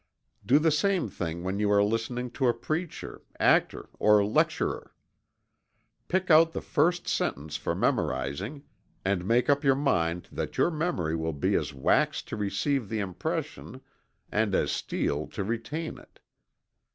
Do the same thing when you are listening to a preacher, actor or lecturer. Pick out the first sentence for memorizing, and make up your mind that your memory will be as wax to receive the impression and as steel to retain it.